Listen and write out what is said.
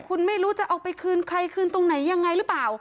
คุณไม่รู้จะเอาไปคืนใครคืนตรงไหนยังไงหรือเปล่า